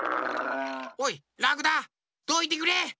おいラクダどいてくれ！